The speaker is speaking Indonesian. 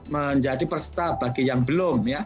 menjadi peserta bagi yang belum ya